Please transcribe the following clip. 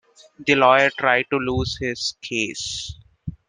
The lawyer tried to lose his case.